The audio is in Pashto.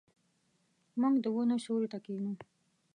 موږ د ونو سیوري ته کښینو.